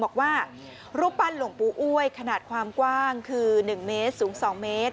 บอกว่ารูปปั้นหลวงปู่อ้วยขนาดความกว้างคือ๑เมตรสูง๒เมตร